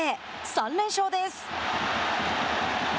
３連勝です。